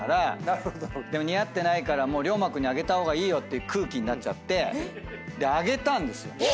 でも似合ってないから涼真君にあげた方がいいよって空気になっちゃってあげたんですよ。